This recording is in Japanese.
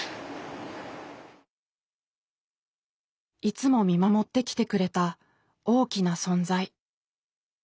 いつも見守ってきてくれた大きな存在。